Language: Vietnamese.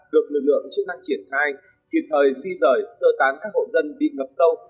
được lực lượng chức năng triển khai kịp thời phi rời sơ tán các hộ dân bị ngập sâu